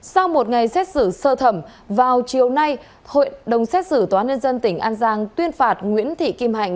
sau một ngày xét xử sơ thẩm vào chiều nay hội đồng xét xử tòa nhân dân tỉnh an giang tuyên phạt nguyễn thị kim hạnh